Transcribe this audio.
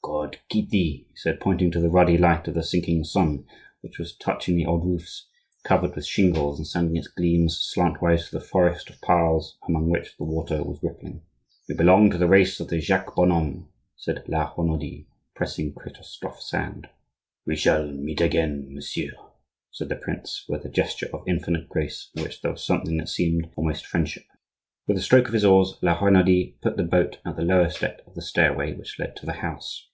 "God keep thee!" he said, pointing to the ruddy light of the sinking sun, which was touching the old roofs covered with shingles and sending its gleams slantwise through the forest of piles among which the water was rippling. "You belong to the race of the Jacques Bonhomme," said La Renaudie, pressing Christophe's hand. "We shall meet again, monsieur," said the prince, with a gesture of infinite grace, in which there was something that seemed almost friendship. With a stroke of his oars La Renaudie put the boat at the lower step of the stairway which led to the house.